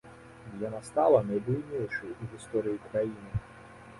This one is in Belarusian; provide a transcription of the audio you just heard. Яна стала найбуйнейшай у гісторыі краіны.